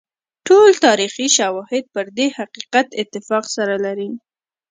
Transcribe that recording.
ټول تاریخي شواهد پر دې حقیقت اتفاق سره لري.